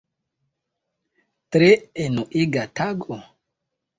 Tre enuiga tago.